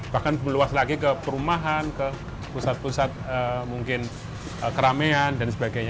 bahkan meluas lagi ke perumahan ke pusat pusat mungkin keramaian dan sebagainya